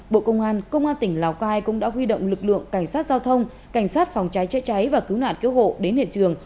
bộ công an công an tỉnh lào cai cũng đã huy động lực lượng cảnh sát giao thông cảnh sát phòng cháy chữa cháy và cứu nạn cứu hộ đến hiện trường